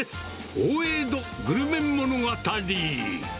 大江戸グルメ物語。